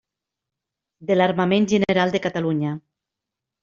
De l'armament general de Catalunya.